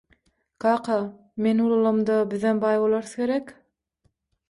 Kaka, men ulalamda bizem baý bolarys gerek?..